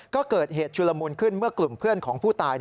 ก็เกิดเหตุชุลมุนขึ้นเมื่อกลุ่มเพื่อนของผู้ตาย